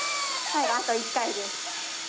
最後あと１回です。